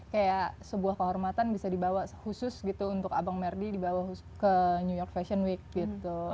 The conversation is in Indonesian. kayak sebuah kehormatan bisa dibawa khusus gitu untuk abang merdi dibawa ke new york fashion week gitu